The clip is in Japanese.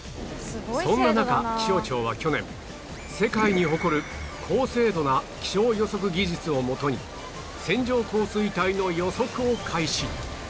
そんな中気象庁は去年世界に誇る高精度な気象予測技術を基に線状降水帯の予測を開始